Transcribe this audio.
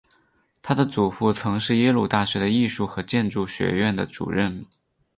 她的祖父曾经是耶鲁大学的艺术和建筑学院的主任。